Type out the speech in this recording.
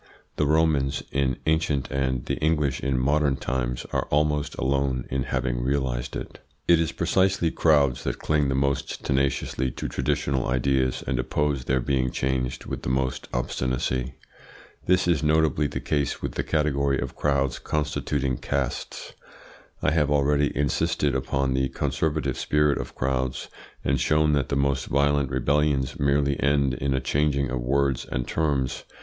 The Romans in ancient and the English in modern times are almost alone in having realised it. It is precisely crowds that cling the most tenaciously to traditional ideas and oppose their being changed with the most obstinacy. This is notably the case with the category of crowds constituting castes. I have already insisted upon the conservative spirit of crowds, and shown that the most violent rebellions merely end in a changing of words and terms.